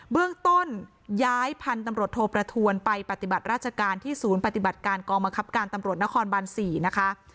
เบื้องต้นย้ายพันธุ์ตำรวจโทประทวนไปปฏิบัติราชการที่ศูนย์ปฏิบัติการกองบังคับการตำรวจนครบัน๔นะคะ